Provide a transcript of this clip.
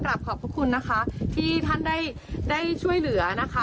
และเขาขอบคุณที่ท่านได้ช่วยเลือนนะคะ